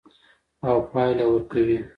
او پایله ورکوي.